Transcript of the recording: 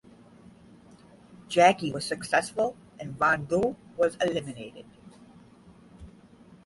Jackie was successful and Von’Du was eliminated.